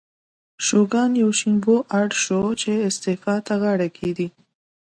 شوګان یوشینوبو اړ شو چې استعفا ته غاړه کېږدي.